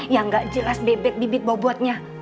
yang gak jelas bebek bibit bobotnya